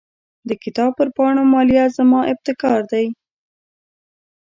د کتاب پر پاڼو مالیه زما ابتکار دی.